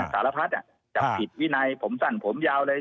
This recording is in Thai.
สารพัฒน์จับผิดวินัยผมสั้นผมยาวเลย